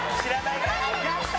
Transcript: やった！